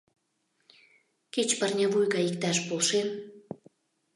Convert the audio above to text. Кеч парня вуй гай иктаж полшен?..